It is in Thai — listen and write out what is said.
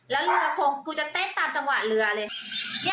แล้วเรือคงกูจะเต้นตามจังหวะเรือเลย